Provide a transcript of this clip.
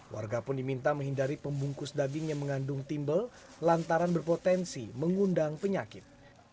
warga pun diminta menghindari pembungkus daging yang mengandung timbul lantaran berpotensi mengundang penyakit